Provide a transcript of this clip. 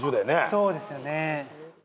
そうですよね。